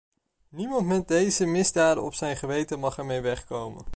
Niemand met deze misdaden op zijn geweten mag ermee wegkomen.